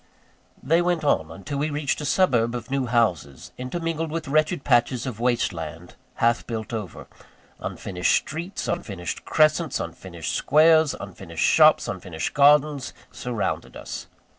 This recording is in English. They went on, until we reached a suburb of new houses, intermingled with wretched patches of waste land, half built over. Unfinished streets, unfinished crescents, unfinished squares, unfinished shops, unfinished gardens, surrounded us.